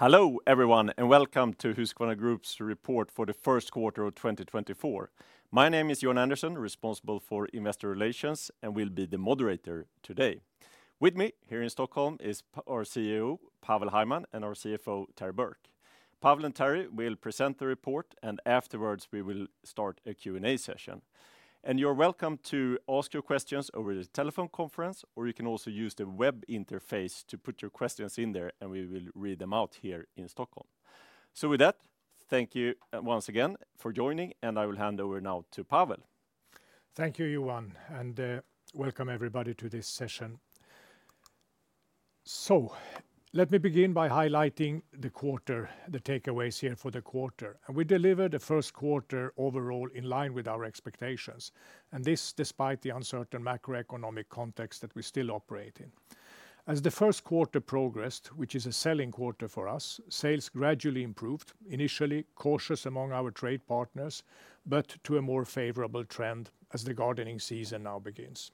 Hello everyone, and welcome to Husqvarna Group's report for the first quarter of 2024. My name is Johan Andersson, responsible for investor relations, and will be the moderator today. With me, here in Stockholm, is our CEO, Pavel Hajman, and our CFO, Terry Burke. Pavel and Terry will present the report, and afterwards, we will start a Q&A session. You're welcome to ask your questions over the telephone conference, or you can also use the web interface to put your questions in there, and we will read them out here in Stockholm. With that, thank you once again for joining, and I will hand over now to Pavel. Thank you, Johan, and welcome everybody to this session. So let me begin by highlighting the quarter, the takeaways here for the quarter, and we delivered the first quarter overall in line with our expectations, and this, despite the uncertain macroeconomic context that we still operate in. As the first quarter progressed, which is a selling quarter for us, sales gradually improved, initially cautious among our trade partners, but to a more favorable trend as the gardening season now begins.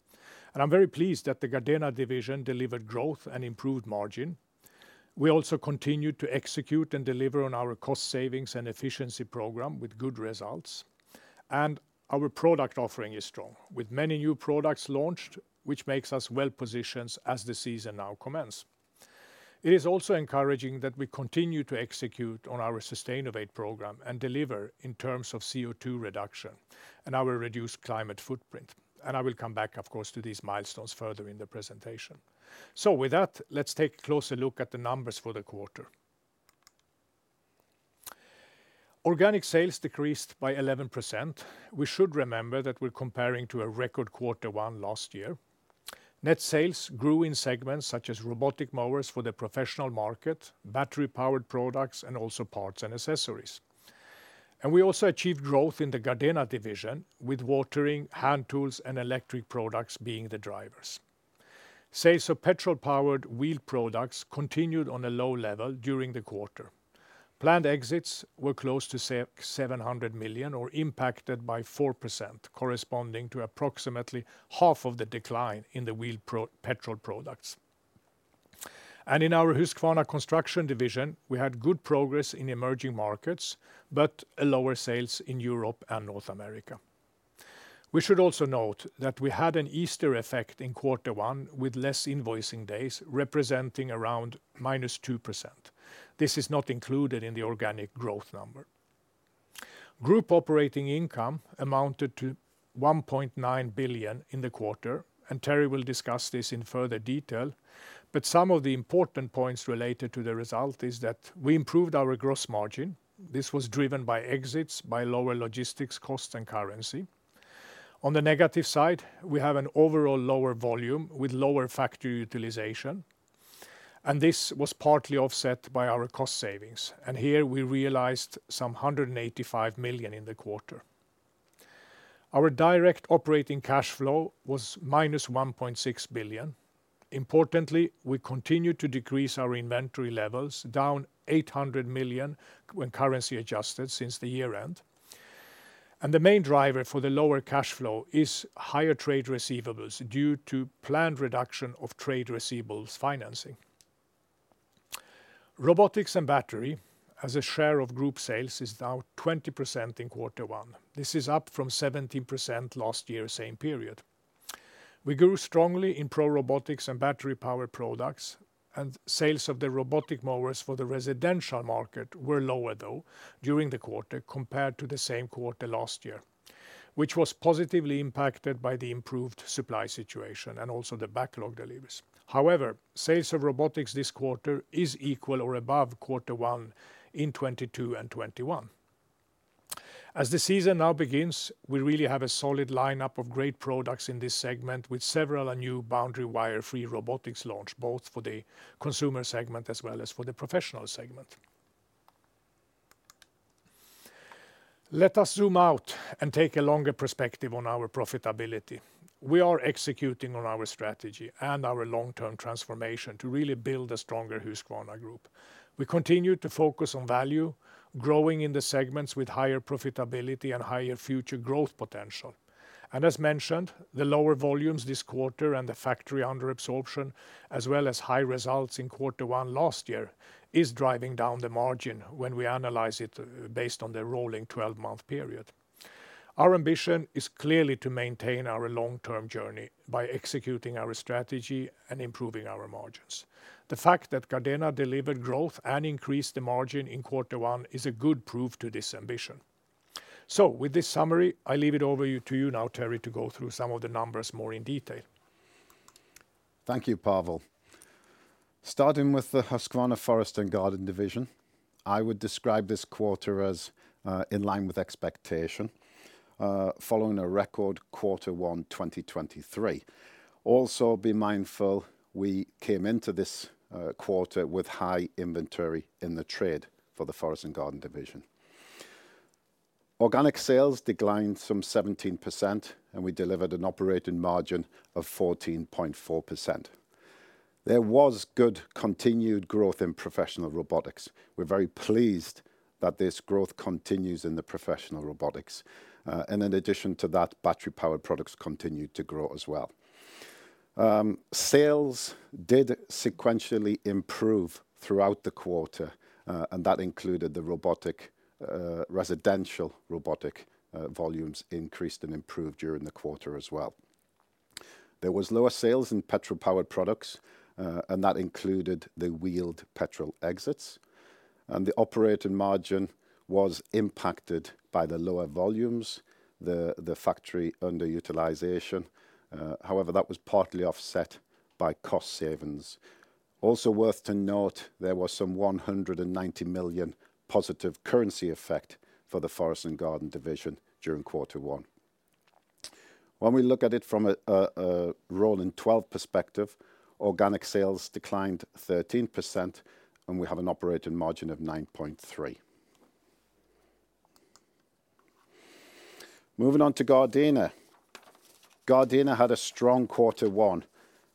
And I'm very pleased that the Gardena division delivered growth and improved margin. We also continued to execute and deliver on our cost savings and efficiency program with good results, and our product offering is strong, with many new products launched, which makes us well-positioned as the season now commence. It is also encouraging that we continue to execute on our Sustainovate program and deliver in terms of CO2 reduction and our reduced climate footprint. I will come back, of course, to these milestones further in the presentation. With that, let's take a closer look at the numbers for the quarter. Organic sales decreased by 11%. We should remember that we're comparing to a record quarter one last year. Net sales grew in segments such as robotic mowers for the professional market, battery-powered products, and also parts and accessories. We also achieved growth in the Gardena division, with watering, hand tools, and electric products being the drivers. Sales of petrol-powered wheeled products continued on a low level during the quarter. Planned exits were close to 700 million, or impacted by 4%, corresponding to approximately half of the decline in the wheeled petrol products. In our Husqvarna Construction division, we had good progress in emerging markets, but lower sales in Europe and North America. We should also note that we had an Easter effect in quarter one, with less invoicing days, representing around -2%. This is not included in the organic growth number. Group operating income amounted to 1.9 billion in the quarter, and Terry will discuss this in further detail, but some of the important points related to the result is that we improved our gross margin. This was driven by exits, by lower logistics costs and currency. On the negative side, we have an overall lower volume with lower factory utilization, and this was partly offset by our cost savings, and here we realized some 185 million in the quarter. Our direct operating cash flow was -1.6 billion. Importantly, we continued to decrease our inventory levels, down 800 million, when currency adjusted, since the year-end. The main driver for the lower cash flow is higher trade receivables due to planned reduction of trade receivables financing. Robotics and battery, as a share of group sales, is now 20% in quarter one. This is up from 17% last year, same period. We grew strongly in pro robotics and battery-powered products, and sales of the robotic mowers for the residential market were lower, though, during the quarter, compared to the same quarter last year, which was positively impacted by the improved supply situation and also the backlog deliveries. However, sales of robotics this quarter is equal or above quarter one in 2022 and 2021. As the season now begins, we really have a solid lineup of great products in this segment, with several new boundary wire-free robotics launch, both for the consumer segment as well as for the professional segment. Let us zoom out and take a longer perspective on our profitability. We are executing on our strategy and our long-term transformation to really build a stronger Husqvarna Group. We continue to focus on value, growing in the segments with higher profitability and higher future growth potential. As mentioned, the lower volumes this quarter and the factory under absorption, as well as high results in quarter one last year, is driving down the margin when we analyze it, based on the rolling twelve-month period. Our ambition is clearly to maintain our long-term journey by executing our strategy and improving our margins. The fact that Gardena delivered growth and increased the margin in quarter one is a good proof to this ambition. With this summary, I leave it over to you now, Terry, to go through some of the numbers more in detail. Thank you, Pavel. Starting with the Husqvarna Forest and Garden division, I would describe this quarter as in line with expectation following a record quarter one 2023. Also, be mindful, we came into this quarter with high inventory in the trade for the Forest and Garden division. Organic sales declined some 17%, and we delivered an operating margin of 14.4%. There was good continued growth in professional robotics. We're very pleased that this growth continues in the professional robotics. And in addition to that, battery-powered products continued to grow as well. Sales did sequentially improve throughout the quarter, and that included the robotic residential robotic volumes increased and improved during the quarter as well. There was lower sales in petrol-powered products, and that included the wheeled petrol products, and the operating margin was impacted by the lower volumes, the factory underutilization. However, that was partly offset by cost savings. Also worth to note, there was 190 million positive currency effect for the Forest and Garden division during quarter one. When we look at it from a rolling twelve perspective, organic sales declined 13%, and we have an operating margin of 9.3%. Moving on to Gardena. Gardena had a strong quarter one,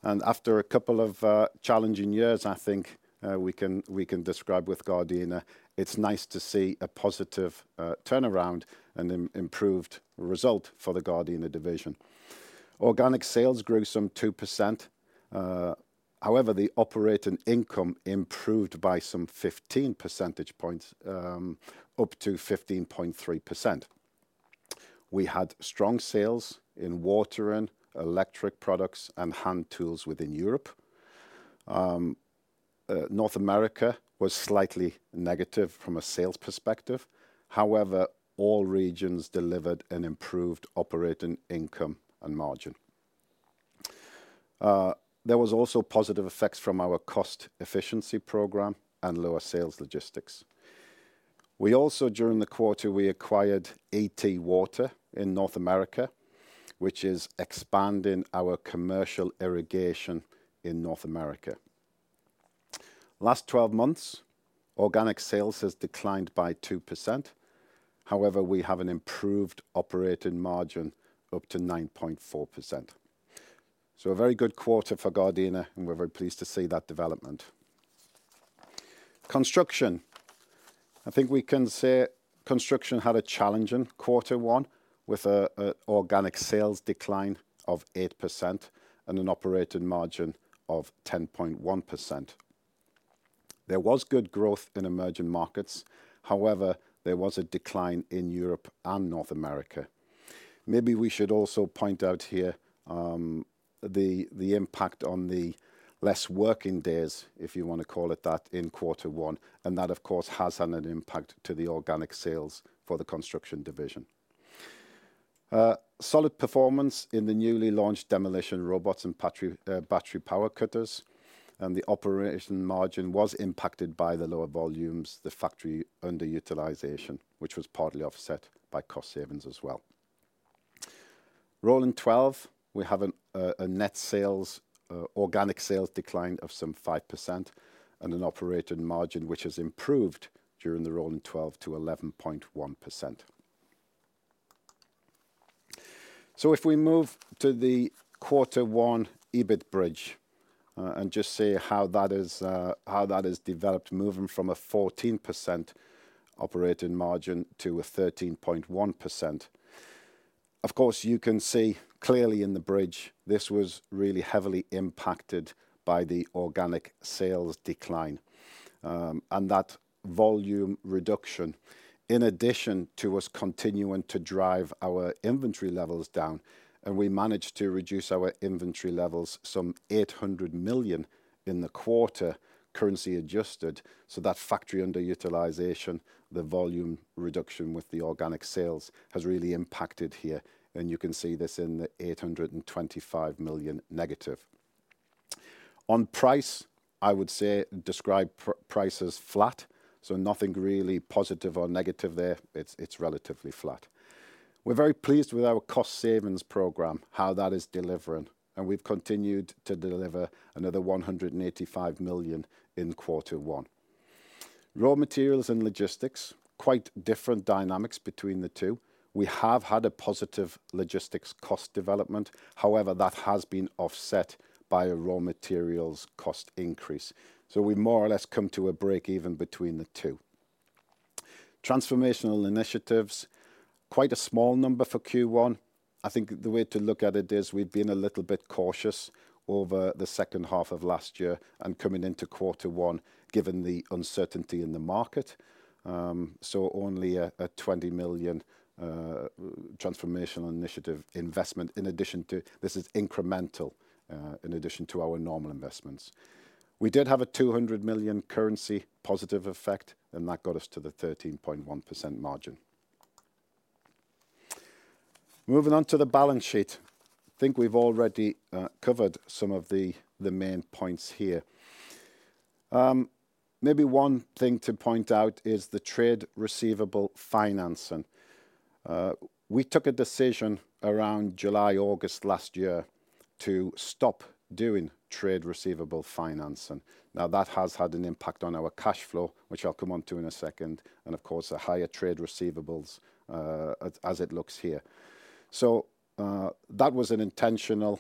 and after a couple of challenging years, I think we can describe with Gardena, it's nice to see a positive turnaround and improved result for the Gardena division. Organic sales grew some 2%. However, the operating income improved by some 15 percentage points, up to 15.3%. We had strong sales in watering, electric products, and hand tools within Europe. North America was slightly negative from a sales perspective. However, all regions delivered an improved operating income and margin. There was also positive effects from our cost efficiency program and lower sales logistics. We also, during the quarter, we acquired ET Water in North America, which is expanding our commercial irrigation in North America. Last 12 months, organic sales has declined by 2%. However, we have an improved operating margin up to 9.4%. So a very good quarter for Gardena, and we're very pleased to see that development. Construction. I think we can say Construction had a challenging quarter one, with a organic sales decline of 8% and an operating margin of 10.1%. There was good growth in emerging markets. However, there was a decline in Europe and North America. Maybe we should also point out here, the impact of the less working days, if you want to call it that, in quarter one, and that, of course, has had an impact to the organic sales for the Construction division. Solid performance in the newly launched demolition robots and battery-powered cutters, and the operating margin was impacted by the lower volumes, the factory underutilization, which was partly offset by cost savings as well. Rolling twelve, we have an a net sales organic sales decline of some 5% and an operating margin, which has improved during the rolling twelve to 11.1%. So if we move to the quarter one EBIT bridge and just see how that is, how that has developed, moving from a 14% operating margin to a 13.1%. Of course, you can see clearly in the bridge, this was really heavily impacted by the organic sales decline and that volume reduction, in addition to us continuing to drive our inventory levels down, and we managed to reduce our inventory levels some 800 million in the quarter, currency adjusted. So that factory underutilization, the volume reduction with the organic sales, has really impacted here, and you can see this in the 825 million negative. On price, I would say describe price as flat, so nothing really positive or negative there. It's relatively flat. We're very pleased with our cost savings program, how that is delivering, and we've continued to deliver another 185 million in quarter one. Raw materials and logistics, quite different dynamics between the two. We have had a positive logistics cost development. However, that has been offset by a raw materials cost increase. So we more or less come to a break-even between the two. Transformational initiatives, quite a small number for Q1. I think the way to look at it is we've been a little bit cautious over the second half of last year and coming into quarter one, given the uncertainty in the market. So only a 20 million transformational initiative investment in addition to... This is incremental, in addition to our normal investments. We did have a 200 million currency positive effect, and that got us to the 13.1% margin. Moving on to the balance sheet. I think we've already covered some of the main points here. Maybe one thing to point out is the trade receivables financing. We took a decision around July, August last year, to stop doing trade receivables financing, and now that has had an impact on our cash flow, which I'll come on to in a second, and of course, a higher trade receivables, as it looks here. So, that was an intentional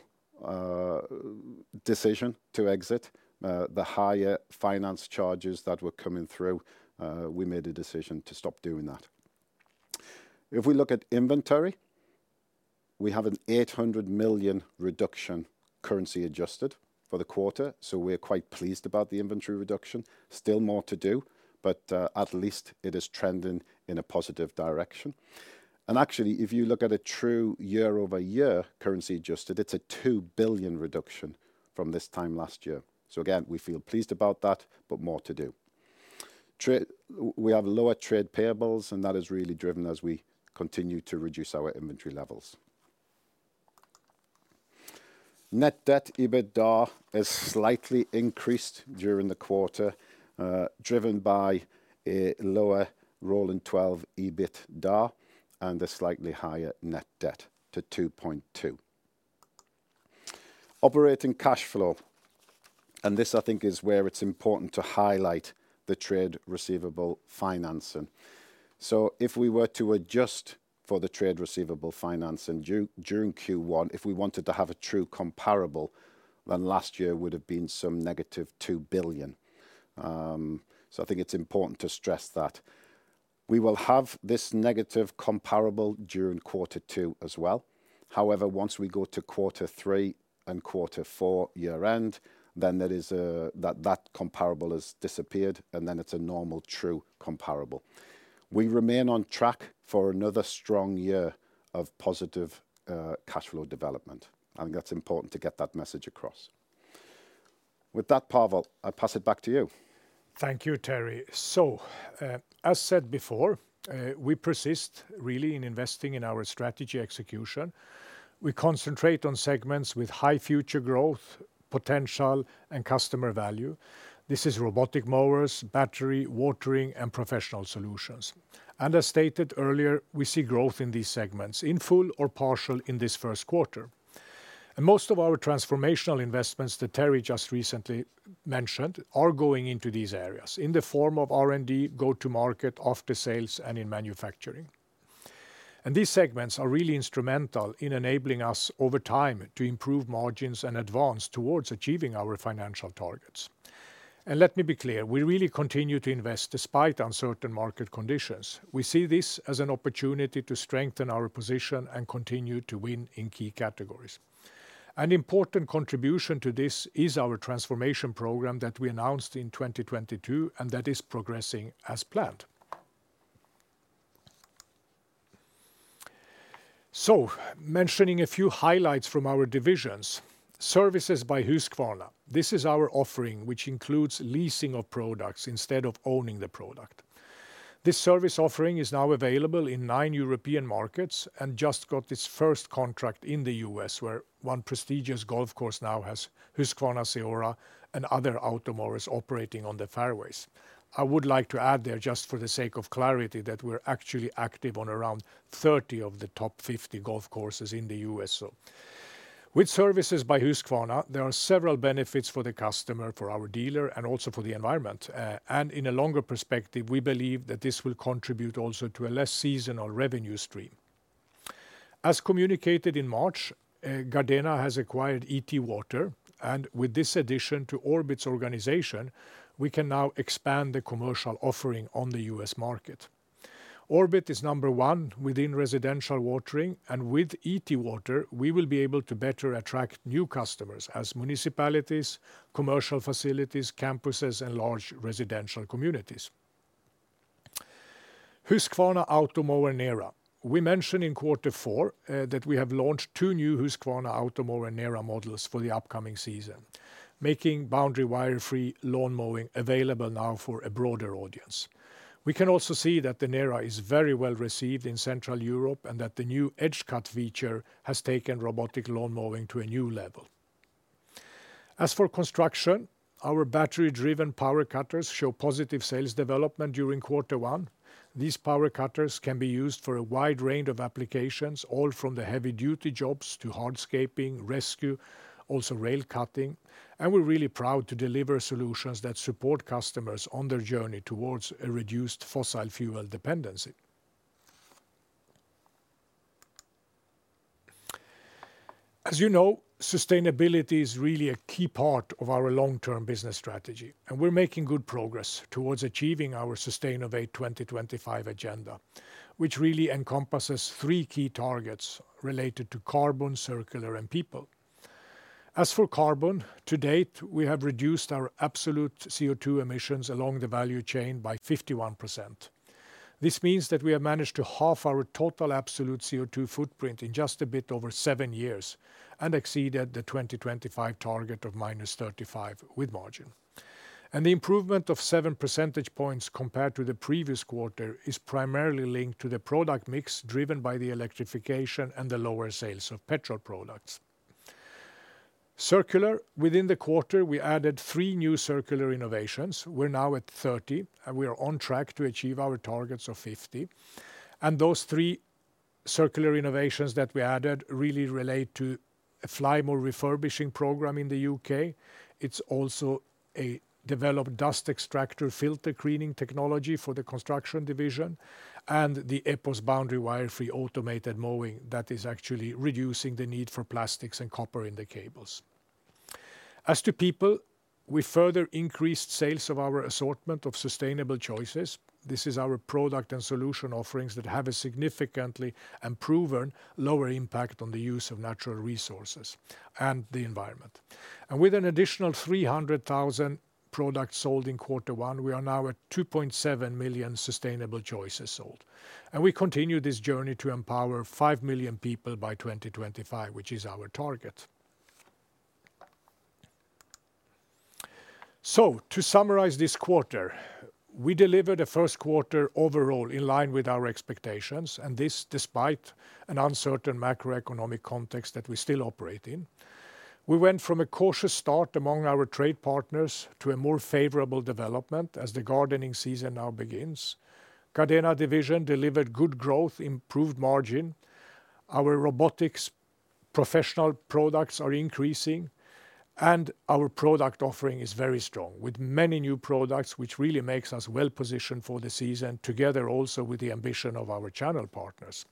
decision to exit. The higher finance charges that were coming through, we made a decision to stop doing that. If we look at inventory, we have a 800 million reduction, currency adjusted, for the quarter, so we're quite pleased about the inventory reduction. Still more to do, but at least it is trending in a positive direction. And actually, if you look at a true year-over-year currency adjusted, it's a 2 billion reduction from this time last year. So again, we feel pleased about that, but more to do. We have lower trade payables, and that is really driven as we continue to reduce our inventory levels. Net debt/EBITDA is slightly increased during the quarter, driven by a lower rolling twelve EBITDA and a slightly higher net debt to 2.2. Operating cash flow, and this I think, is where it's important to highlight the trade receivables financing. So if we were to adjust for the trade receivables financing during Q1, if we wanted to have a true comparable, then last year would have been some -2 billion. So I think it's important to stress that. We will have this negative comparable during quarter two as well. However, once we go to quarter three and quarter four, year-end, then that comparable has disappeared, and then it's a normal, true comparable. We remain on track for another strong year of positive cash flow development, and that's important to get that message across. With that, Pavel, I pass it back to you. Thank you, Terry. So, as said before, we persist really in investing in our strategy execution. We concentrate on segments with high future growth, potential, and customer value. This is robotic mowers, battery, watering, and professional solutions. As stated earlier, we see growth in these segments, in full or partial in this first quarter. Most of our transformational investments that Terry just recently mentioned are going into these areas in the form of R&D, go-to-market, after sales, and in manufacturing. These segments are really instrumental in enabling us, over time, to improve margins and advance towards achieving our financial targets. Let me be clear, we really continue to invest despite uncertain market conditions. We see this as an opportunity to strengthen our position and continue to win in key categories. An important contribution to this is our transformation program that we announced in 2022, and that is progressing as planned. Mentioning a few highlights from our divisions. Services by Husqvarna. This is our offering, which includes leasing of products instead of owning the product. This service offering is now available in nine European markets and just got its first contract in the U.S., where one prestigious golf course now has Husqvarna CEORA and other Automowers operating on the fairways. I would like to add there, just for the sake of clarity, that we're actually active on around 30 of the top 50 golf courses in the U.S. So with Services by Husqvarna, there are several benefits for the customer, for our dealer, and also for the environment. And in a longer perspective, we believe that this will contribute also to a less seasonal revenue stream. As communicated in March, Gardena has acquired ET Water, and with this addition to Orbit's organization, we can now expand the commercial offering on the U.S. market. Orbit is number one within residential watering, and with ET Water, we will be able to better attract new customers as municipalities, commercial facilities, campuses, and large residential communities. Husqvarna Automower NERA. We mentioned in quarter four, that we have launched two new Husqvarna Automower NERA models for the upcoming season, making boundary wire-free lawn mowing available now for a broader audience. We can also see that the NERA is very well received in Central Europe, and that the new EdgeCut feature has taken robotic lawn mowing to a new level. As for construction, our battery-driven power cutters show positive sales development during quarter one. These power cutters can be used for a wide range of applications, all from the heavy-duty jobs to hardscaping, rescue, also rail cutting. We're really proud to deliver solutions that support customers on their journey towards a reduced fossil fuel dependency. As you know, sustainability is really a key part of our long-term business strategy, and we're making good progress towards achieving our Sustainovate 2025 agenda, which really encompasses three key targets related to carbon, circular, and people. As for carbon, to date, we have reduced our absolute CO2 emissions along the value chain by 51%. This means that we have managed to half our total absolute CO2 footprint in just a bit over seven years and exceeded the 2025 target of -35% with margin. The improvement of 7 percentage points compared to the previous quarter is primarily linked to the product mix, driven by the electrification and the lower sales of petrol products. Circular. Within the quarter, we added three new circular innovations. We're now at 30, and we are on track to achieve our targets of 50. And those three circular innovations that we added really relate to a Flymo refurbishing program in the U.K. It's also a developed dust extractor filter cleaning technology for the construction division and the EPOS boundary wire-free automated mowing that is actually reducing the need for plastics and copper in the cables.... As to people, we further increased sales of our assortment of Sustainable Choices. This is our product and solution offerings that have a significantly and proven lower impact on the use of natural resources and the environment. With an additional 300,000 products sold in quarter one, we are now at 2.7 million Sustainable Choices sold, and we continue this journey to empower 5 million people by 2025, which is our target. So to summarize this quarter, we delivered a first quarter overall in line with our expectations, and this despite an uncertain macroeconomic context that we still operate in. We went from a cautious start among our trade partners to a more favorable development as the gardening season now begins. Gardena Division delivered good growth, improved margin. Our robotics professional products are increasing, and our product offering is very strong, with many new products, which really makes us well-positioned for the season, together also with the ambition of our channel partners.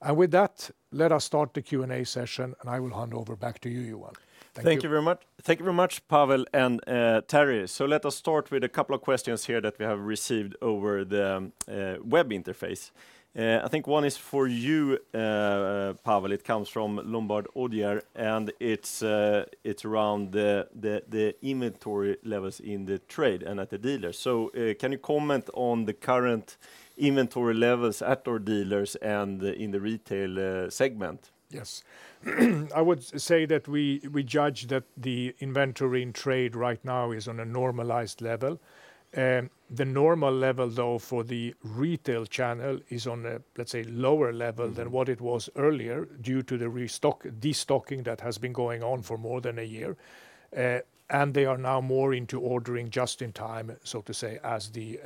And with that, let us start the Q&A session, and I will hand over back to you, Johan. Thank you. Thank you very much. Thank you very much, Pavel and, Terry. So let us start with a couple of questions here that we have received over the web interface. I think one is for you, Pavel. It comes from Lombard Odier, and it's around the inventory levels in the trade and at the dealer. So, can you comment on the current inventory levels at our dealers and in the retail segment? Yes. I would say that we, we judge that the inventory in trade right now is on a normalized level. The normal level, though, for the retail channel is on a, let's say, lower level than what it was earlier, due to the restocking-destocking that has been going on for more than a year. And they are now more into ordering just in time, so to say, as the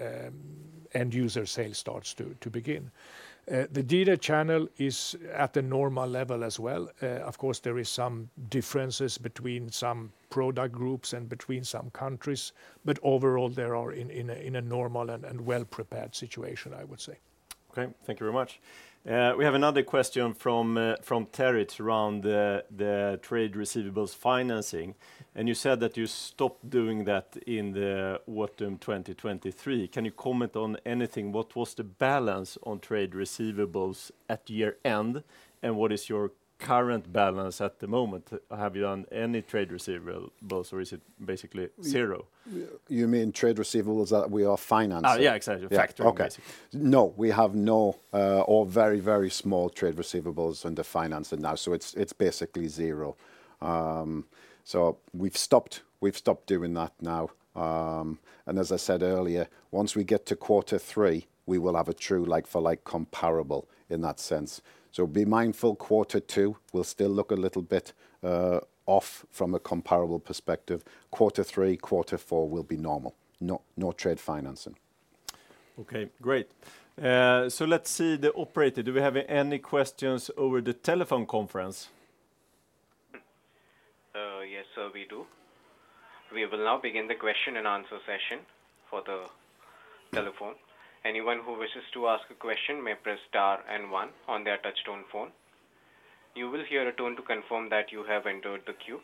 end-user sale starts to begin. The dealer channel is at a normal level as well. Of course, there is some differences between some product groups and between some countries, but overall, they are in a normal and well-prepared situation, I would say. Okay, thank you very much. We have another question from from Terry. It's around the trade receivables financing, and you said that you stopped doing that in the autumn 2023. Can you comment on anything? What was the balance on trade receivables at year-end, and what is your current balance at the moment? Have you done any trade receivables, or is it basically zero? You mean trade receivables that we are financing? Yeah, exactly. Factoring, basically. Yeah. Okay. No, we have no, or very, very small trade receivables financing now, so it's, it's basically zero. So we've stopped, we've stopped doing that now. And as I said earlier, once we get to quarter three, we will have a true like-for-like comparable in that sense. So be mindful, quarter two will still look a little bit, off from a comparable perspective. Quarter three, quarter four will be normal. No, no trade financing. Okay, great. So let's see the operator. Do we have any questions over the telephone conference? Yes, sir, we do. We will now begin the question-and-answer session for the telephone. Anyone who wishes to ask a question may press star and one on their touchtone phone. You will hear a tone to confirm that you have entered the queue.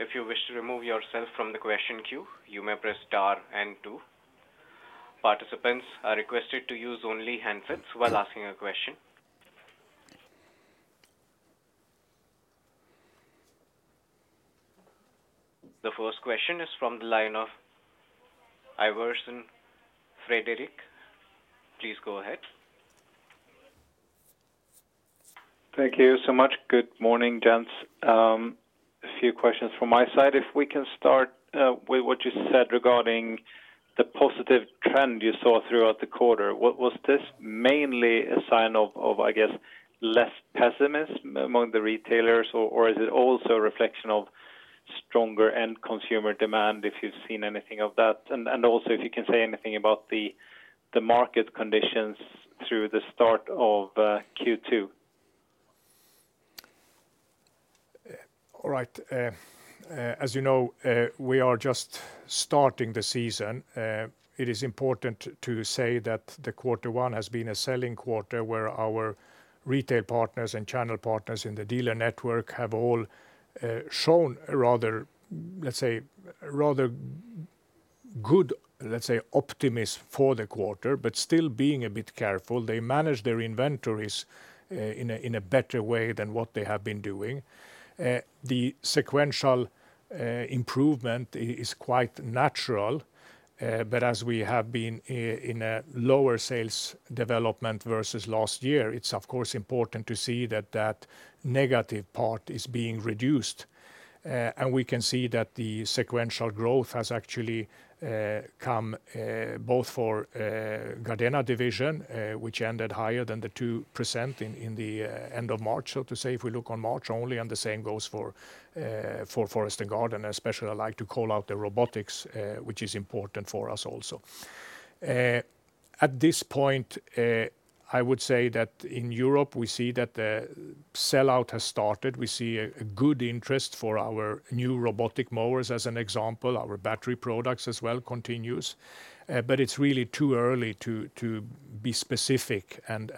If you wish to remove yourself from the question queue, you may press star and two. Participants are requested to use only handsets while asking a question. The first question is from the line of Fredrik Ivarsson. Please go ahead. Thank you so much. Good morning, gents. A few questions from my side. If we can start with what you said regarding the positive trend you saw throughout the quarter. What was this mainly a sign of, I guess, less pessimism among the retailers, or is it also a reflection of stronger end consumer demand, if you've seen anything of that? And also, if you can say anything about the market conditions through the start of Q2. All right. As you know, we are just starting the season. It is important to say that the quarter one has been a selling quarter, where our retail partners and channel partners in the dealer network have all shown a rather, let's say, a rather good, let's say, optimism for the quarter, but still being a bit careful. They manage their inventories in a better way than what they have been doing. The sequential improvement is quite natural, but as we have been in a lower sales development versus last year, it's of course important to see that that negative part is being reduced. And we can see that the sequential growth has actually come both for Gardena Division, which ended higher than the 2% in the end of March, so to say, if we look on March only, and the same goes for Forest and Garden. Especially, I'd like to call out the robotics, which is important for us also. At this point, I would say that in Europe, we see that the sell-out has started. We see a good interest for our new robotic mowers, as an example. Our battery products as well continues, but it's really too early to be specific and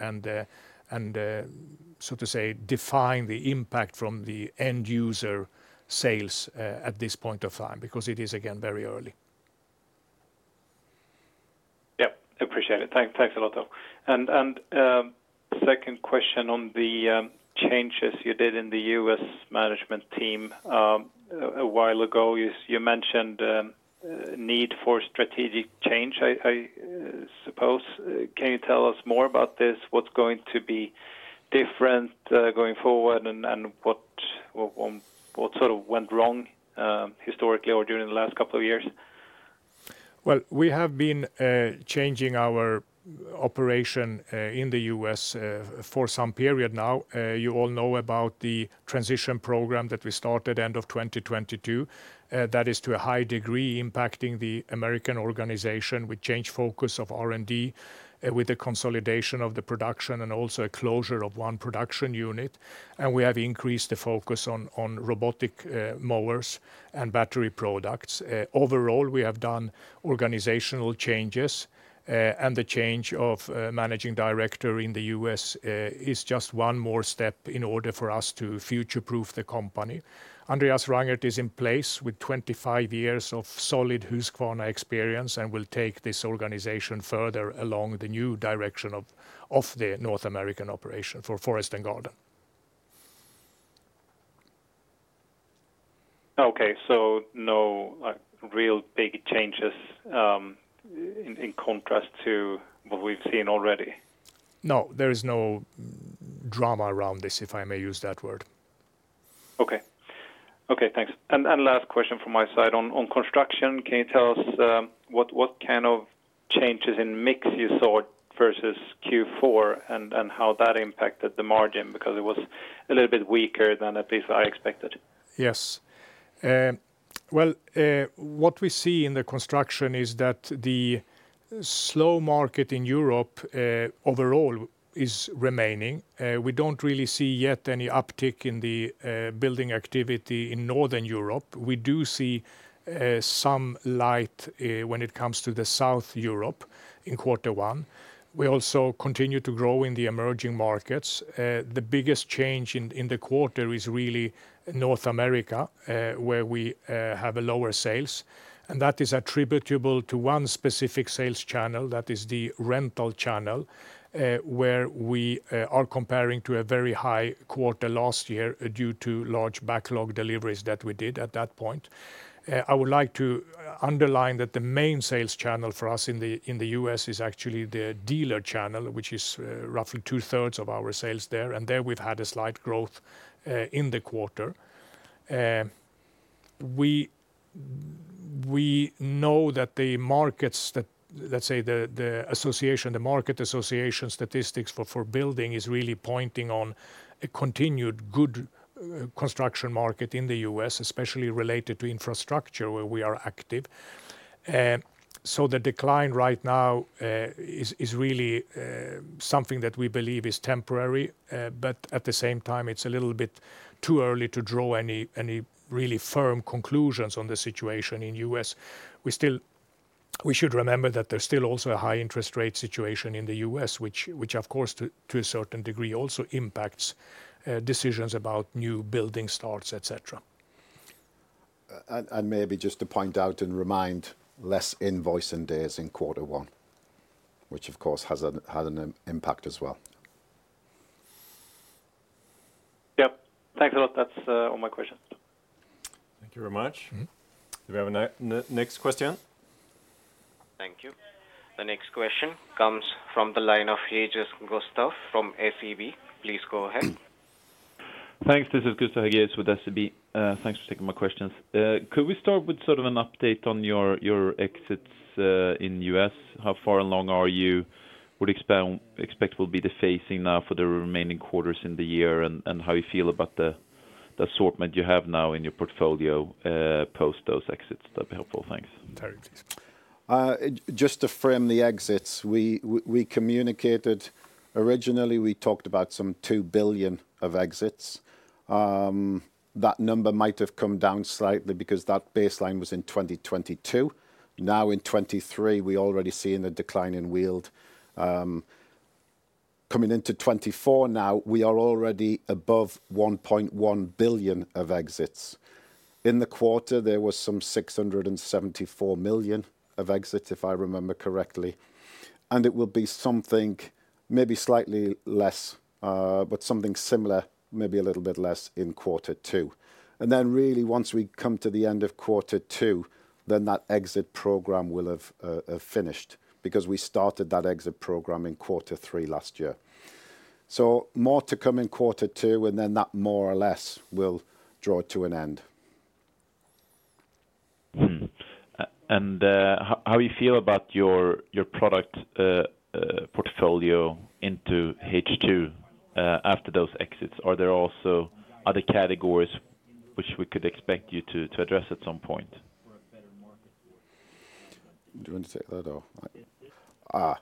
so to say define the impact from the end-user sales at this point of time, because it is, again, very early. ... Yep, appreciate it. Thanks a lot, though. And, second question on the changes you did in the U.S. management team a while ago. You mentioned need for strategic change, I suppose. Can you tell us more about this? What's going to be different going forward, and what sort of went wrong historically or during the last couple of years? Well, we have been changing our operation in the U.S. for some period now. You all know about the transition program that we started end of 2022. That is, to a high degree, impacting the American organization. We changed focus of R&D with the consolidation of the production and also a closure of one production unit, and we have increased the focus on robotic mowers and battery products. Overall, we have done organizational changes, and the change of managing director in the U.S. is just one more step in order for us to future-proof the company. Andreas Rangert is in place with 25 years of solid Husqvarna experience and will take this organization further along the new direction of the North American operation for Forest and Garden. Okay, so no, like, real big changes, in contrast to what we've seen already? No, there is no drama around this, if I may use that word. Okay. Okay, thanks. And last question from my side. On construction, can you tell us what kind of changes in mix you saw versus Q4, and how that impacted the margin? Because it was a little bit weaker than at least I expected. Yes. Well, what we see in the construction is that the slow market in Europe, overall is remaining. We don't really see yet any uptick in the, building activity in Northern Europe. We do see, some light, when it comes to the South Europe in quarter one. We also continue to grow in the emerging markets. The biggest change in, in the quarter is really North America, where we, have a lower sales, and that is attributable to one specific sales channel. That is the rental channel, where we, are comparing to a very high quarter last year due to large backlog deliveries that we did at that point. I would like to underline that the main sales channel for us in the U.S. is actually the dealer channel, which is roughly two-thirds of our sales there, and there we've had a slight growth in the quarter. We know that the markets that, let's say, the association, the market association statistics for building is really pointing on a continued good construction market in the U.S., especially related to infrastructure, where we are active. So the decline right now is really something that we believe is temporary, but at the same time, it's a little bit too early to draw any really firm conclusions on the situation in U.S. We still—we should remember that there's still also a high interest rate situation in the U.S., which, of course, to a certain degree, also impacts decisions about new building starts, etc. And maybe just to point out and remind, less invoicing days in quarter one, which, of course, has had an impact as well. Yep. Thanks a lot. That's all my questions. Thank you very much. Do we have a next question? Thank you. The next question comes from the line of Gustav Hagéus from SEB. Please go ahead. Thanks. This is Gustav Hagéus with SEB. Thanks for taking my questions. Could we start with sort of an update on your, your exits in U.S.? How far along are you? What expect will be the phasing now for the remaining quarters in the year, and, and how you feel about the, the assortment you have now in your portfolio post those exits? That'd be helpful. Thanks. Just to frame the exits, we, we communicated. Originally, we talked about some 2 billion of exits. That number might have come down slightly because that baseline was in 2022. Now, in 2023, we already seeing a decline in yield. Coming into 2024 now, we are already above 1.1 billion of exits. In the quarter, there was some 674 million of exits, if I remember correctly, and it will be something maybe slightly less, but something similar, maybe a little bit less in quarter two. And then really, once we come to the end of quarter two, then that exit program will have finished, because we started that exit program in quarter three last year. So more to come in quarter two, and then that more or less will draw to an end. How do you feel about your product portfolio into H2 after those exits? Are there also other categories which we could expect you to address at some point? Do you want to take that or...?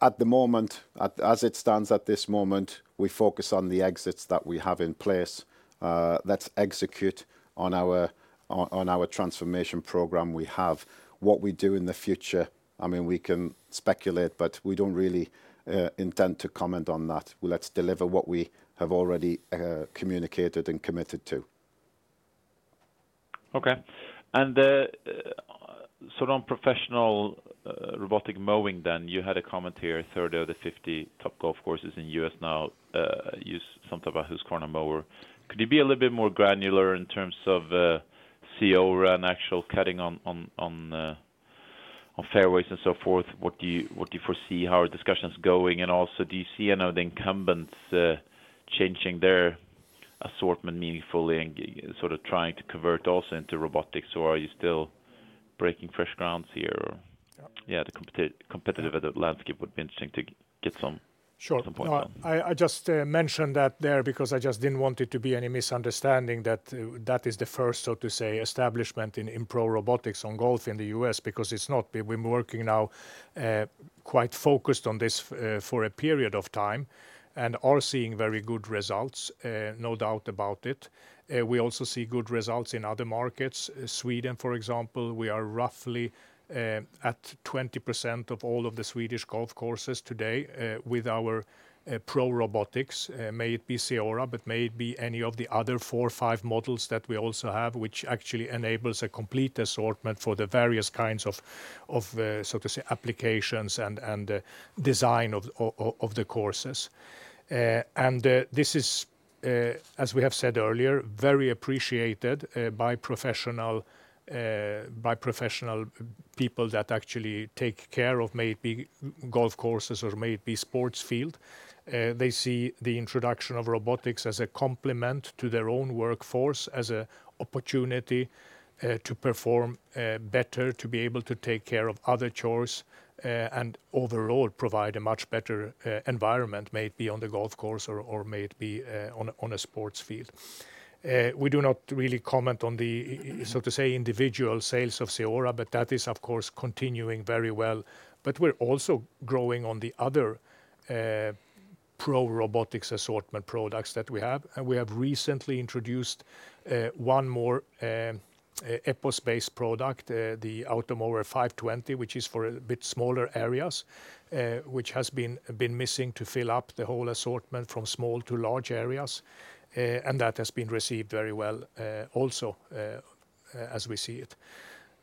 At the moment, as it stands at this moment, we focus on the exits that we have in place. Let's execute on our transformation program we have. What we do in the future, I mean, we can speculate, but we don't really intend to comment on that. Let's deliver what we have already communicated and committed to. Okay. So on professional robotic mowing, then you had a comment here, 30 out of the 50 top golf courses in the U.S. now use some type of a Husqvarna mower. Could you be a little bit more granular in terms of CEORA actual cutting on fairways and so forth? What do you foresee? How are discussions going? And also, do you see any of the incumbents changing their assortment meaningfully and sort of trying to convert also into robotics, or are you still breaking fresh grounds here? Or- Yeah, the competitive landscape would be interesting to get some- Sure. Some points on. I just mentioned that there because I just didn't want it to be any misunderstanding that that is the first, so to say, establishment in pro robotics on golf in the U.S., because it's not. We've been working now quite focused on this for a period of time, and are seeing very good results, no doubt about it. We also see good results in other markets. Sweden, for example, we are roughly at 20% of all of the Swedish golf courses today with our pro robotics, may it be CEORA, but may it be any of the other four, five models that we also have, which actually enables a complete assortment for the various kinds of, so to say, applications and design of the courses. This is, as we have said earlier, very appreciated by professional people that actually take care of maybe golf courses or maybe sports field. They see the introduction of robotics as a complement to their own workforce, as a opportunity to perform better, to be able to take care of other chores, and overall, provide a much better environment, may it be on the golf course or may it be on a sports field. We do not really comment on the, so to say, individual sales of CEORA, but that is, of course, continuing very well. But we're also growing on the other pro robotics assortment products that we have. We have recently introduced one more EPOS-based product, the Automower 520, which is for a bit smaller areas, which has been missing to fill up the whole assortment from small to large areas. That has been received very well, also, as we see it.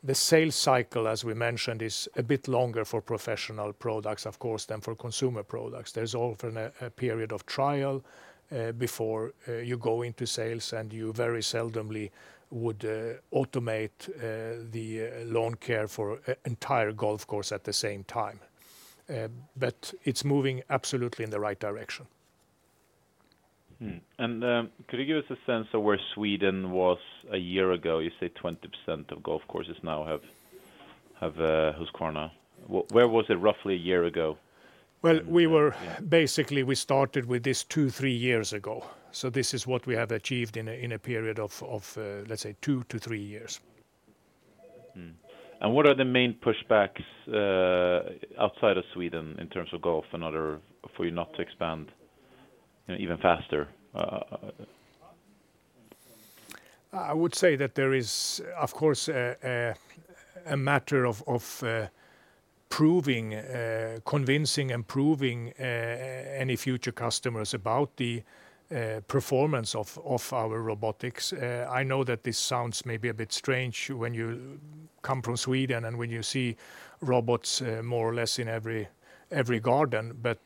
The sales cycle, as we mentioned, is a bit longer for professional products, of course, than for consumer products. There's often a period of trial before you go into sales, and you very seldomly would automate the lawn care for the entire golf course at the same time. But it's moving absolutely in the right direction. Could you give us a sense of where Sweden was a year ago? You say 20% of golf courses now have Husqvarna. Where was it roughly a year ago? Well, we were- Yeah. Basically, we started with this two-three years ago. So this is what we have achieved in a period of, let's say, two-three years. What are the main pushbacks outside of Sweden in terms of golf and other, for you not to expand, you know, even faster? I would say that there is, of course, a matter of proving, convincing and proving any future customers about the performance of our robotics. I know that this sounds maybe a bit strange when you come from Sweden and when you see robots more or less in every garden, but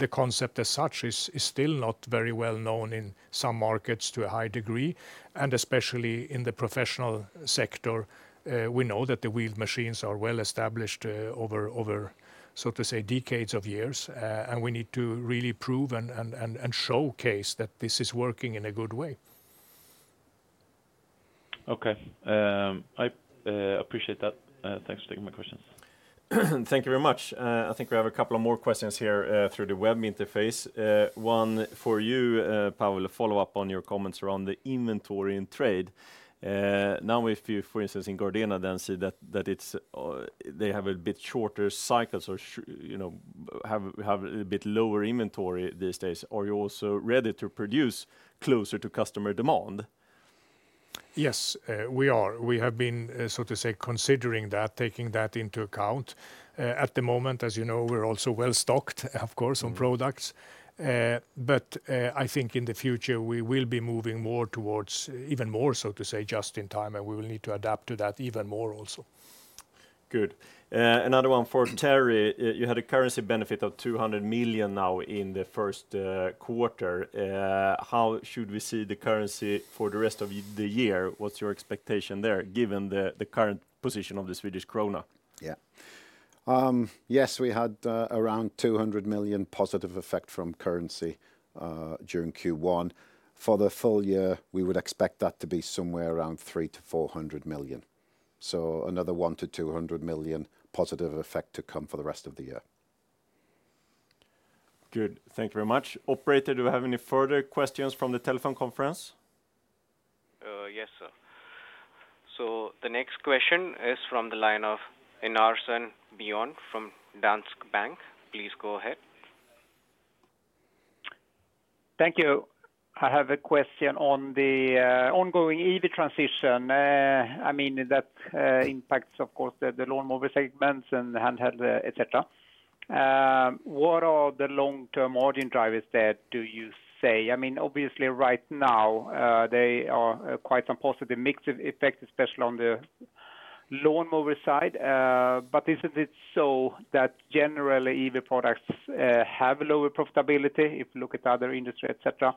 the concept as such is still not very well known in some markets to a high degree, and especially in the professional sector. We know that the wheel machines are well established over, so to say, decades of years, and we need to really prove and showcase that this is working in a good way. Okay. I appreciate that. Thanks for taking my questions. Thank you very much. I think we have a couple of more questions here, through the web interface. One for you, Paul, a follow-up on your comments around the inventory and trade. Now, if you, for instance, in Gardena, then say that, that it's, they have a bit shorter cycles or you know, have, have a bit lower inventory these days, are you also ready to produce closer to customer demand? Yes, we are. We have been, so to say, considering that, taking that into account. At the moment, as you know, we're also well-stocked, of course, on products. But, I think in the future, we will be moving more towards even more, so to say, just in time, and we will need to adapt to that even more also. Good. Another one for Terry. You had a currency benefit of 200 million now in the first quarter. How should we see the currency for the rest of the year? What's your expectation there, given the current position of the Swedish krona? Yeah. Yes, we had around 200 million positive effect from currency during Q1. For the full year, we would expect that to be somewhere around 300 million-400 million. So another 100 million-200 million positive effect to come for the rest of the year. Good. Thank you very much. Operator, do we have any further questions from the telephone conference? Yes, sir. So the next question is from the line of Björn Enarson from Danske Bank. Please go ahead. Thank you. I have a question on the ongoing EV transition. I mean, that impacts, of course, the lawnmower segments and the handheld etc.... What are the long-term margin drivers there, do you say? I mean, obviously, right now, they are quite some positive mix effects, especially on the lawnmower side. But isn't it so that generally EV products have lower profitability if you look at other industry, et cetera?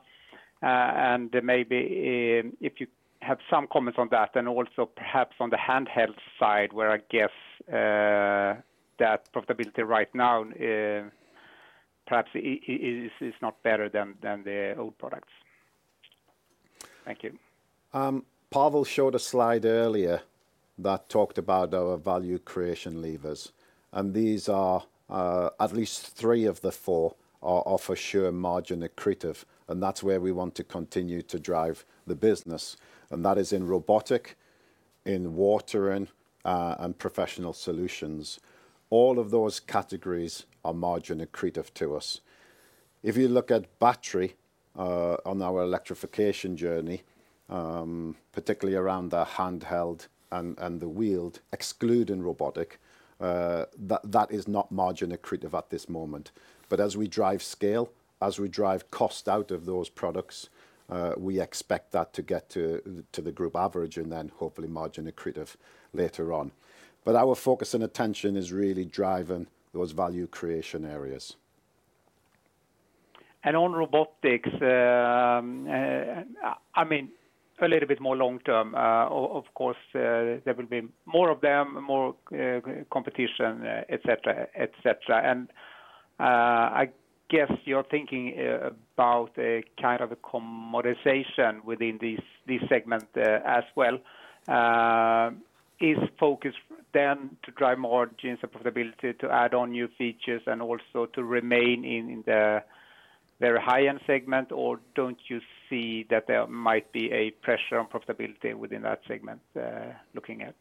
And maybe, if you have some comments on that, and also perhaps on the handheld side, where I guess that profitability right now, perhaps is not better than the old products. Thank you. Pavel showed a slide earlier that talked about our value creation levers, and these are at least three of the four are for sure margin accretive, and that's where we want to continue to drive the business, and that is in robotic, in watering, and professional solutions. All of those categories are margin accretive to us. If you look at battery, on our electrification journey, particularly around the handheld and the wheeled, excluding robotic, that is not margin accretive at this moment. But as we drive scale, as we drive cost out of those products, we expect that to get to the group average and then hopefully margin accretive later on. But our focus and attention is really driving those value creation areas. On robotics, I mean, a little bit more long term, of course, there will be more of them, more competition, etc, etc. And, I guess you're thinking about a kind of a commoditization within this segment, as well. Is focus then to drive more margins and profitability to add on new features and also to remain in the very high-end segment, or don't you see that there might be a pressure on profitability within that segment, looking at?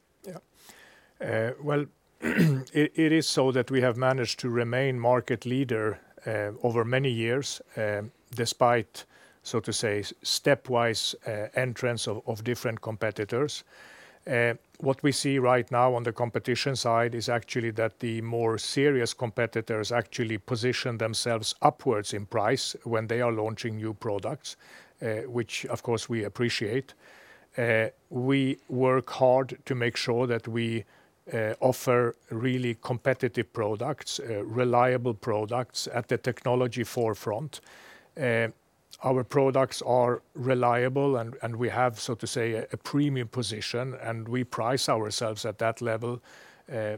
Yeah. Well, it is so that we have managed to remain market leader over many years, despite, so to say, stepwise entrance of different competitors. What we see right now on the competition side is actually that the more serious competitors actually position themselves upwards in price when they are launching new products, which of course, we appreciate. We work hard to make sure that we offer really competitive products, reliable products at the technology forefront. Our products are reliable, and we have, so to say, a premium position, and we price ourselves at that level,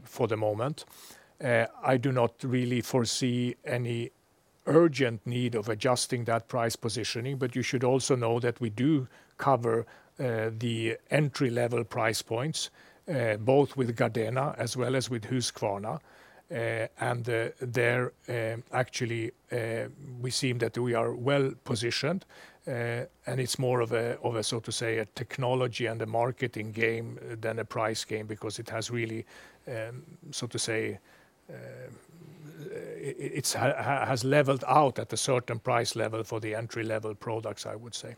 for the moment. I do not really foresee any urgent need of adjusting that price positioning, but you should also know that we do cover the entry-level price points, both with Gardena as well as with Husqvarna. And there, actually, we see that we are well-positioned, and it's more of a, of a, so to say, a technology and a marketing game than a price game, because it has really, so to say, leveled out at a certain price level for the entry-level products, I would say.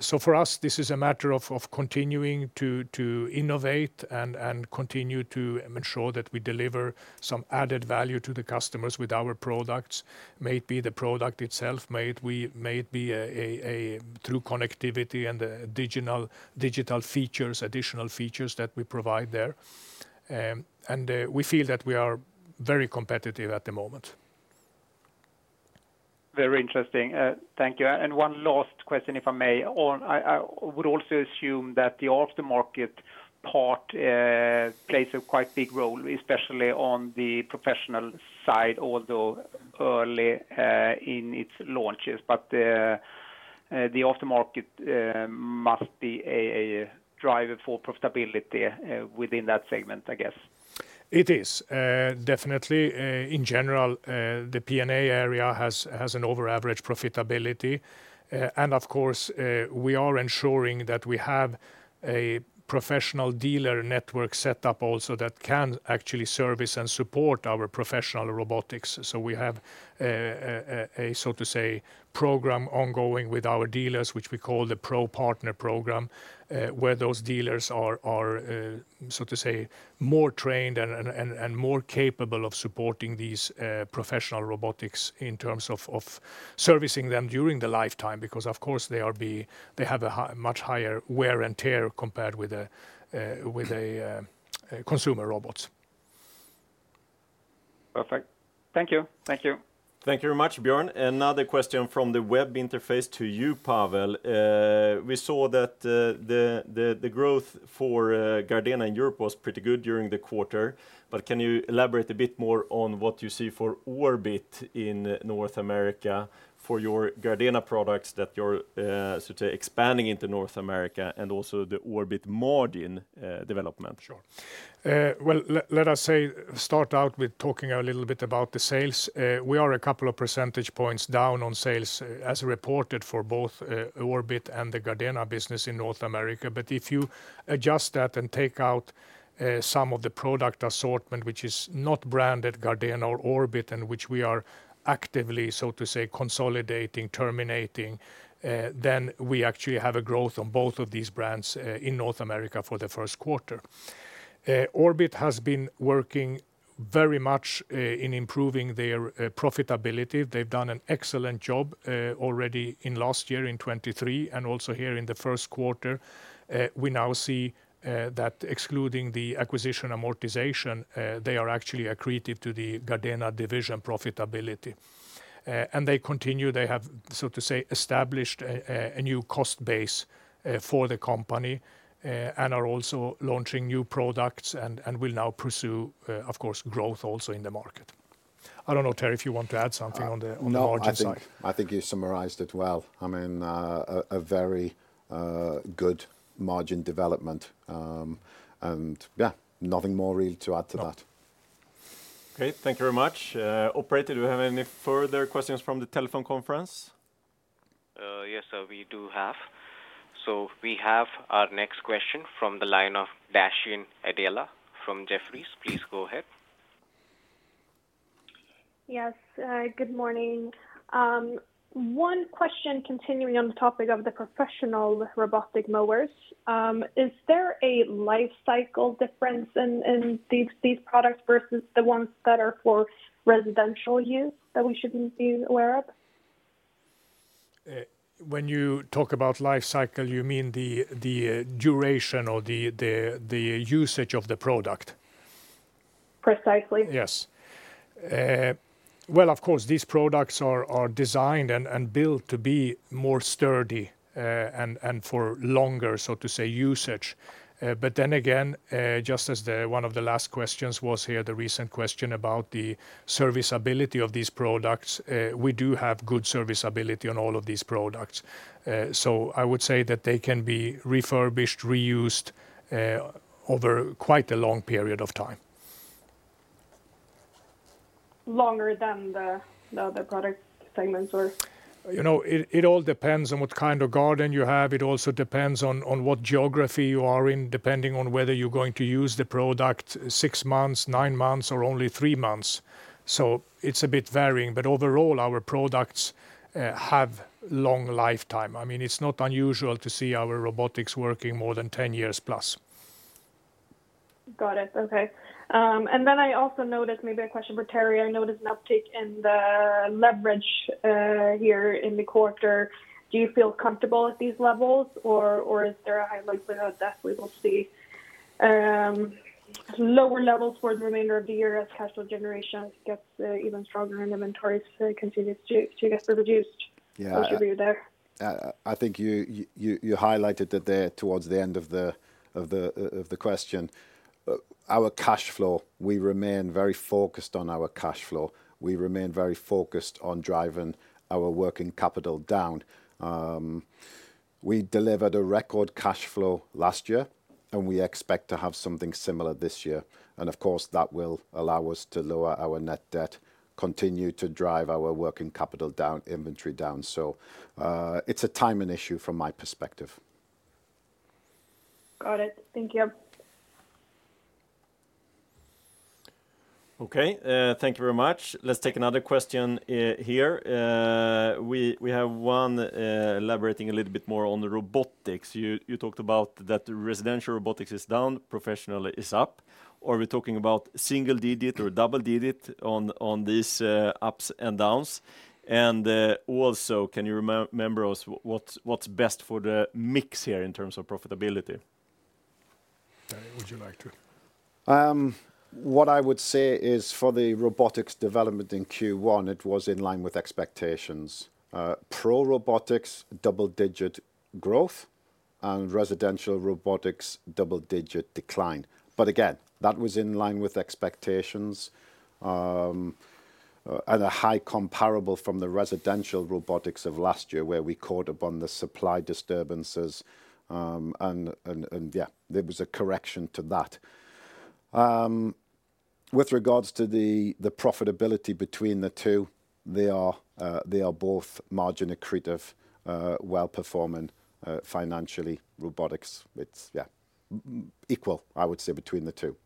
So for us, this is a matter of continuing to innovate and continue to ensure that we deliver some added value to the customers with our products. May it be the product itself, may it be through connectivity and digital features, additional features that we provide there. And we feel that we are very competitive at the moment. Very interesting. Thank you. And one last question, if I may. On—I would also assume that the aftermarket part plays a quite big role, especially on the professional side, although early in its launches, but the aftermarket must be a driver for profitability within that segment, I guess. It is definitely in general the P&A area has above average profitability. And of course, we are ensuring that we have a professional dealer network set up also that can actually service and support our professional robotics. So we have a so to say program ongoing with our dealers, which we call the ProPartner program, where those dealers are so to say more trained and more capable of supporting these professional robotics in terms of servicing them during the lifetime, because of course they have a much higher wear and tear compared with a consumer robots. Perfect. Thank you. Thank you. Thank you very much, Björn. Another question from the web interface to you, Pavel. We saw that the growth for Gardena in Europe was pretty good during the quarter, but can you elaborate a bit more on what you see for Orbit in North America, for your Gardena products that you're so to say expanding into North America, and also the Orbit margin development? Sure. Well, let us say, start out with talking a little bit about the sales. We are a couple of percentage points down on sales as reported for both, Orbit and the Gardena business in North America. But if you adjust that and take out, some of the product assortment, which is not branded Gardena or Orbit, and which we are actively, so to say, consolidating, terminating, then we actually have a growth on both of these brands, in North America for the first quarter. Orbit has been working very much, in improving their, profitability. They've done an excellent job, already in last year, in 2023, and also here in the first quarter. We now see, that excluding the acquisition amortization, they are actually accretive to the Gardena division profitability. And they continue, they have, so to say, established a new cost base for the company, and are also launching new products and will now pursue, of course, growth also in the market. I don't know, Terry, if you want to add something on the- No... on the margin side. I think you summarized it well. I mean, a very good margin development. And yeah, nothing more really to add to that. Okay, thank you very much. Operator, do we have any further questions from the telephone conference? Yes, sir, we do have. We have our next question from the line of Dashian Adela from Jefferies. Please go ahead. Yes, good morning. One question continuing on the topic of the professional robotic mowers. Is there a life cycle difference in these products versus the ones that are for residential use, that we should be aware of? When you talk about life cycle, you mean the duration or the usage of the product? Precisely. Yes. Well, of course, these products are designed and built to be more sturdy and for longer, so to say, usage. But then again, just as the one of the last questions was here, the recent question about the serviceability of these products, we do have good serviceability on all of these products. So I would say that they can be refurbished, reused, over quite a long period of time. Longer than the other product segments or? You know, it all depends on what kind of garden you have. It also depends on what geography you are in, depending on whether you're going to use the product six months, nine months, or only three months. So it's a bit varying, but overall, our products have long lifetime. I mean, it's not unusual to see our robotics working more than 10 years plus. Got it. Okay. And then I also noticed, maybe a question for Terry, I noticed an uptake in the leverage here in the quarter. Do you feel comfortable at these levels, or is there a high likelihood that we will see lower levels for the remainder of the year as cash flow generation gets even stronger and inventories continues to get reduced? Yeah. What's your view there? I think you highlighted it there towards the end of the question. Our cash flow, we remain very focused on our cash flow. We remain very focused on driving our working capital down. We delivered a record cash flow last year, and we expect to have something similar this year. Of course, that will allow us to lower our net debt, continue to drive our working capital down, inventory down. So, it's a timing issue from my perspective. Got it. Thank you. Okay, thank you very much. Let's take another question here. We have one elaborating a little bit more on the robotics. You talked about that residential robotics is down, professional is up, are we talking about single digit or double digit on these ups and downs? And also, can you remember us what what's best for the mix here in terms of profitability? Terry, would you like to? What I would say is for the robotics development in Q1, it was in line with expectations. Pro robotics, double-digit growth, and residential robotics, double-digit decline. But again, that was in line with expectations, and a high comparable from the residential robotics of last year, where we caught up on the supply disturbances, and yeah, there was a correction to that. With regards to the profitability between the two, they are both margin accretive, well-performing, financially. Robotics, it's, yeah, more equal, I would say, between the two.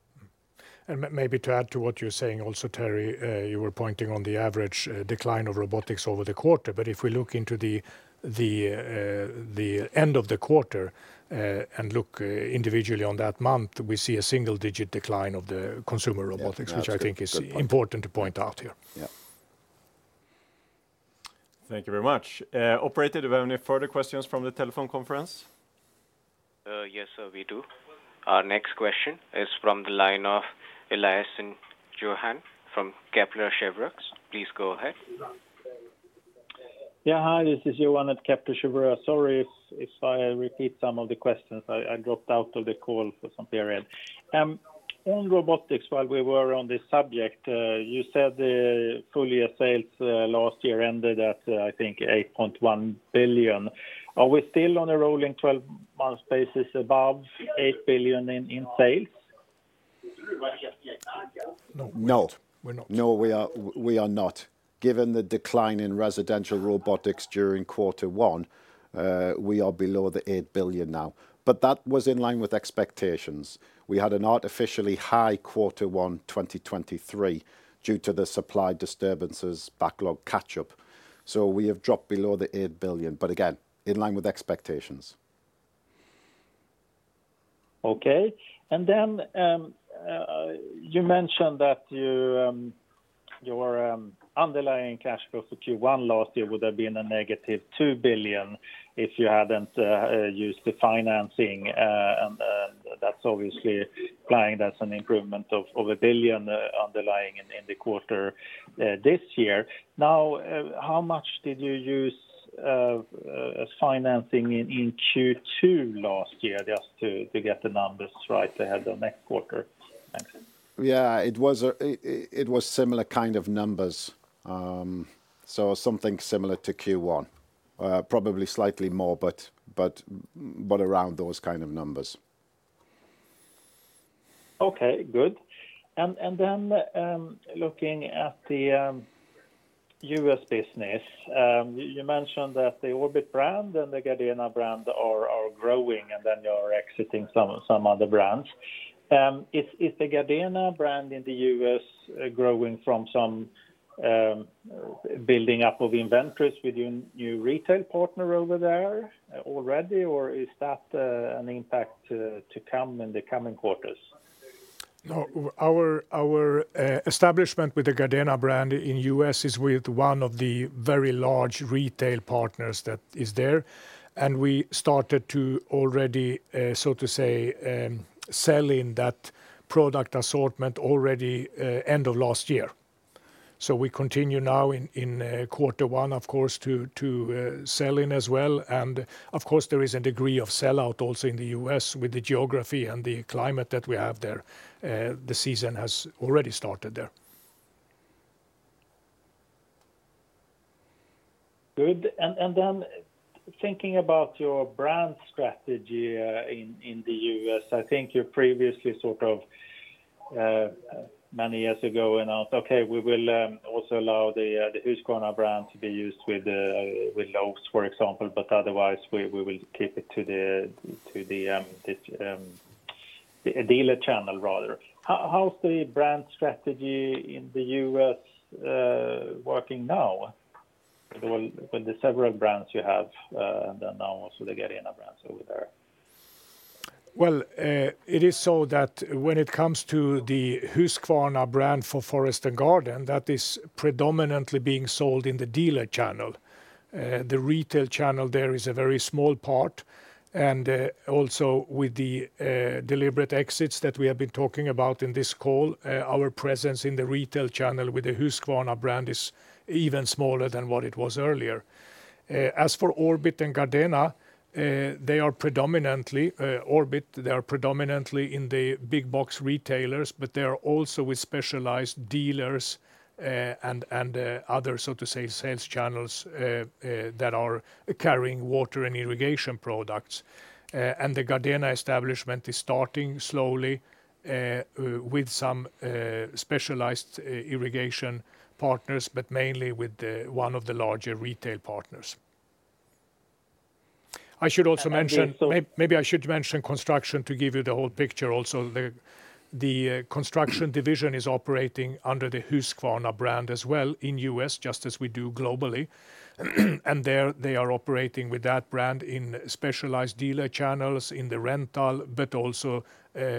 Maybe to add to what you're saying also, Terry, you were pointing on the average decline of robotics over the quarter. But if we look into the end of the quarter and look individually on that month, we see a single-digit decline of the consumer robotics- Yeah, that's a good point.... which I think is important to point out here. Yeah. Thank you very much. Operator, do we have any further questions from the telephone conference? Yes, sir, we do. Our next question is from the line of Eliason Johan from Kepler Cheuvreux. Please go ahead. Yeah, hi, this is Johan at Kepler Cheuvreux. Sorry if, if I repeat some of the questions. I, I dropped out of the call for some period. On robotics, while we were on this subject, you said the full year sales last year ended at, I think, 8.1 billion. Are we still on a rolling twelve-month basis above 8 billion in, in sales? No, we're not. No. No, we are, we are not. Given the decline in residential robotics during quarter one, we are below 8 billion now, but that was in line with expectations. We had an artificially high quarter one, 2023, due to the supply disturbances backlog catch-up. So we have dropped below 8 billion, but again, in line with expectations.... Okay, and then, you mentioned that you, your underlying cash flow for Q1 last year would have been a negative 2 billion if you hadn't used the financing. And that's obviously implying that's an improvement of 1 billion underlying in the quarter this year. Now, how much did you use as financing in Q2 last year, just to get the numbers right ahead of next quarter? Thanks. Yeah, it was similar kind of numbers. So something similar to Q1. Probably slightly more, but around those kind of numbers. Okay, good. And then, looking at the U.S. business, you mentioned that the Orbit brand and the Gardena brand are growing, and then you're exiting some other brands. Is the Gardena brand in the U.S. growing from some building up of inventories with your new retail partner over there already? Or is that an impact to come in the coming quarters? No, our establishment with the Gardena brand in U.S. is with one of the very large retail partners that is there. And we started to already, so to say, sell in that product assortment already, end of last year. So we continue now in quarter one, of course, to sell in as well. And of course, there is a degree of sell-out also in the U.S. with the geography and the climate that we have there. The season has already started there. Good. And then thinking about your brand strategy in the U.S., I think you previously sort of many years ago announced, okay, we will also allow the Husqvarna brand to be used with Lowe's, for example, but otherwise, we will keep it to the dealer channel rather. How's the brand strategy in the U.S. working now with the several brands you have, and then now also the Gardena brands over there? Well, it is so that when it comes to the Husqvarna brand for Forest and Garden, that is predominantly being sold in the dealer channel. The retail channel there is a very small part, and also with the deliberate exits that we have been talking about in this call, our presence in the retail channel with the Husqvarna brand is even smaller than what it was earlier. As for Orbit and Gardena, they are predominantly Orbit, they are predominantly in the big box retailers, but they are also with specialized dealers, and, and other, so to say, sales channels that are carrying water and irrigation products. And the Gardena establishment is starting slowly with some specialized irrigation partners, but mainly with the one of the larger retail partners. I should also mention- And also-... Maybe I should mention construction to give you the whole picture also. The construction division is operating under the Husqvarna brand as well in the U.S., just as we do globally. And there, they are operating with that brand in specialized dealer channels, in the rental, but also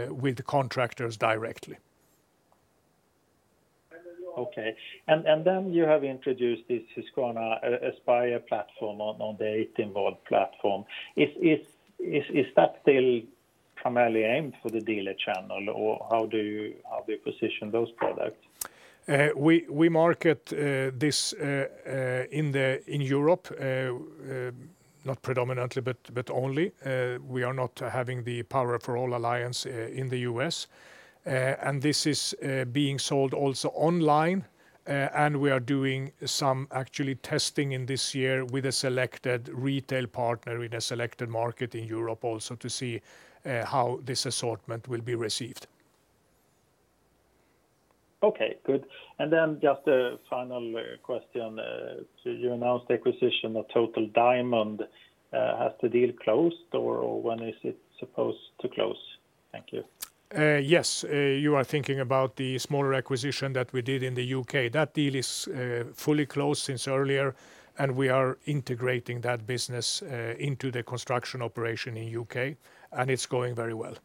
with contractors directly. Okay. And then you have introduced this Husqvarna Aspire platform on the 18-volt platform. Is that still primarily aimed for the dealer channel, or how do you position those products? We market this in Europe, not predominantly, but only. We are not having the Power For All Alliance in the U.S. This is being sold also online, and we are doing some actually testing in this year with a selected retail partner in a selected market in Europe also to see how this assortment will be received. Okay, good. And then just a final question. So you announced the acquisition of Total Diamond. Has the deal closed, or when is it supposed to close? Thank you. Yes. You are thinking about the smaller acquisition that we did in the U.K. That deal is fully closed since earlier, and we are integrating that business into the construction operation in U.K., and it's going very well.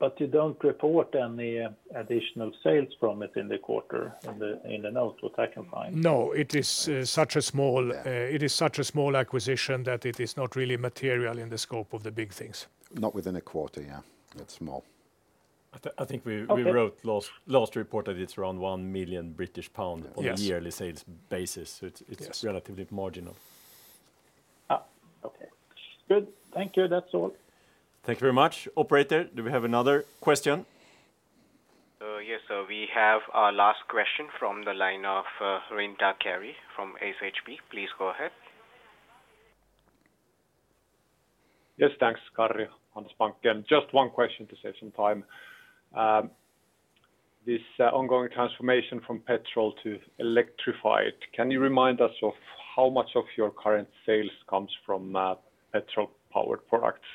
But you don't report any additional sales from it in the quarter, in the note, what I can find. No, it is such a small- Yeah... it is such a small acquisition that it is not really material in the scope of the big things. Not within a quarter, yeah. It's small. I think we- Okay... we wrote last report that it's around 1 million British pounds British pound- Yes... on a yearly sales basis. Yes. So it's relatively marginal. Ah! Okay. Good. Thank you. That's all. Thank you very much. Operator, do we have another question? Yes, so we have our last question from the line of Karri Rinta from SHB. Please go ahead. Yes, thanks, Karri, Handelsbanken. Just one question to save some time. This ongoing transformation from petrol to electrified, can you remind us of how much of your current sales comes from, petrol-powered products? ...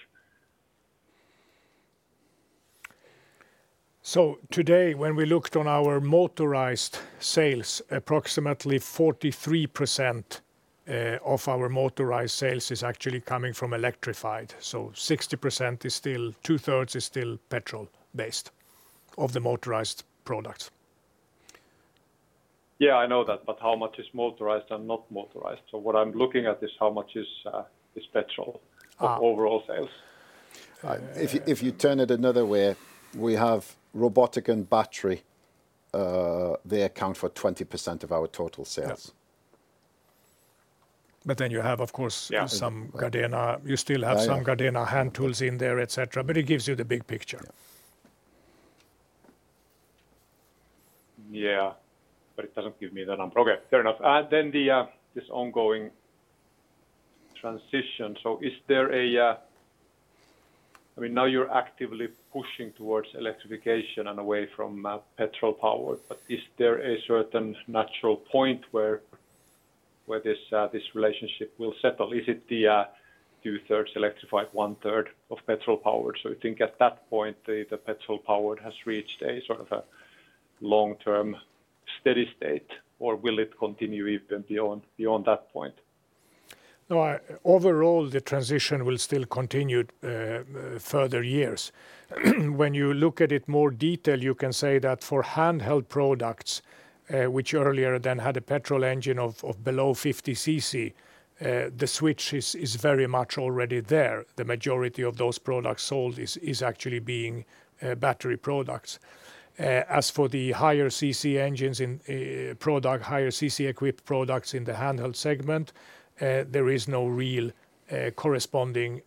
So today, when we looked on our motorized sales, approximately 43% of our motorized sales is actually coming from electrified. So 60% is still, two-thirds is still petrol-based, of the motorized products. Yeah, I know that, but how much is motorized and not motorized? What I'm looking at is how much is petrol- Ah. of overall sales? If you, if you turn it another way, we have robotic and battery, they account for 20% of our total sales. Yeah. But then you have, of course, some Gardena. You still have some Gardena hand tools in there, etc, but it gives you the big picture. Yeah, but it doesn't give me the number. Okay, fair enough. Then this ongoing transition, so is there a... I mean, now you're actively pushing towards electrification and away from petrol power, but is there a certain natural point where this relationship will settle? Is it the two-thirds electrified, one-third of petrol power? So you think at that point, the petrol power has reached a sort of a long-term steady state, or will it continue even beyond that point? No, overall, the transition will still continue further years. When you look at it more detail, you can say that for handheld products, which earlier than had a petrol engine of below 50 cc, the switch is very much already there. The majority of those products sold is actually being battery products. As for the higher cc engines in product, higher cc-equipped products in the handheld segment, there is no real corresponding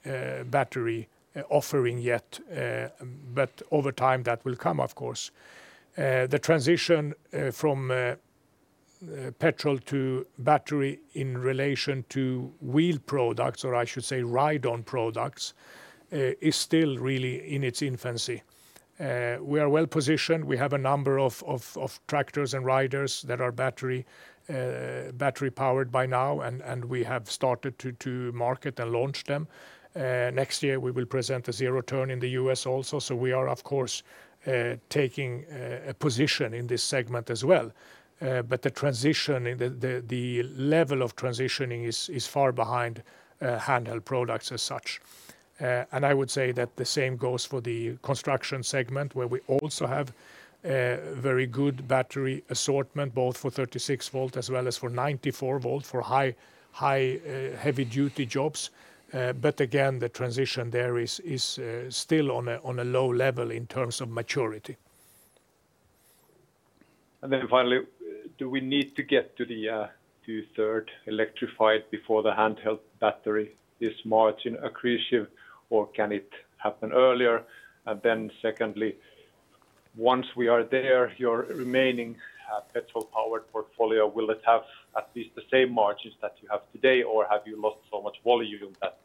battery offering yet. But over time, that will come, of course. The transition from petrol to battery in relation to wheel products, or I should say ride-on products, is still really in its infancy. We are well-positioned. We have a number of tractors and riders that are battery-powered by now, and we have started to market and launch them. Next year, we will present a zero-turn in the U.S. also, so we are, of course, taking a position in this segment as well. But the transition, the level of transitioning is far behind handheld products as such. And I would say that the same goes for the construction segment, where we also have a very good battery assortment, both for 36-volt as well as for 94-volt, for high heavy-duty jobs. But again, the transition there is still on a low level in terms of maturity. And then finally, do we need to get to the two-thirds electrified before the handheld battery is margin accretive, or can it happen earlier? And then secondly, once we are there, your remaining petrol-powered portfolio, will it have at least the same margins that you have today, or have you lost so much volume that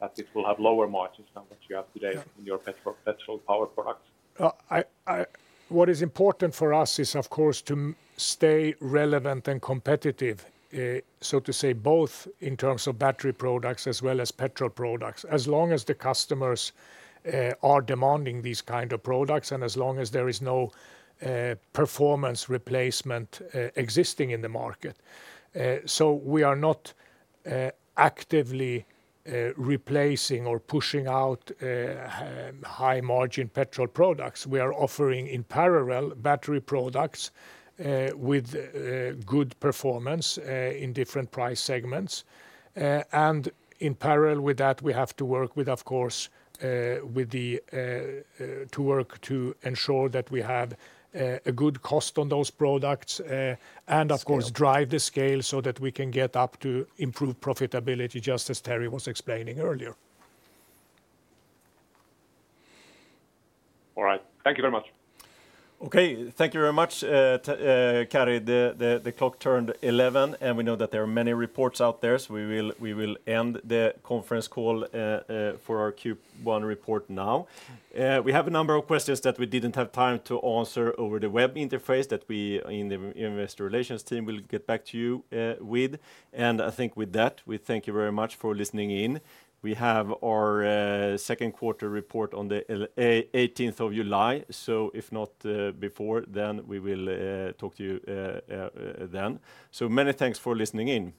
that it will have lower margins than what you have today in your petrol-powered products? What is important for us is, of course, to stay relevant and competitive, so to say, both in terms of battery products as well as petrol products, as long as the customers are demanding these kind of products, and as long as there is no performance replacement existing in the market. So we are not actively replacing or pushing out high-margin petrol products. We are offering, in parallel, battery products with good performance in different price segments. And in parallel with that, we have to work with, of course, with the to work to ensure that we have a good cost on those products, and of course- Scale... drive the scale so that we can get up to improved profitability, just as Terry was explaining earlier. All right. Thank you very much. Okay, thank you very much, Karri. The clock turned 11, and we know that there are many reports out there, so we will end the conference call for our Q1 report now. We have a number of questions that we didn't have time to answer over the web interface that we in the Investor Relations team will get back to you with. And I think with that, we thank you very much for listening in. We have our second quarter report on the eighteenth of July, so if not before, then we will talk to you then. So many thanks for listening in.